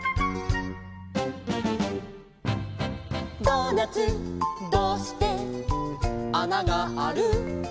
「ドーナツどうしてあながある？」